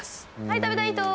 はい食べたい人？